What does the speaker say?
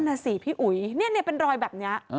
นั่นน่ะสิพี่อุ๋ยเนี่ยเนี่ยเป็นรอยแบบเนี้ย